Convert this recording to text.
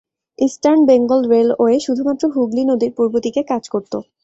Eastern Bengal Railway শুধুমাত্র হুগলি নদীর পূর্ব দিকে কাজ করত।